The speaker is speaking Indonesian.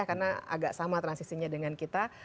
karena agak sama transisinya dengan kita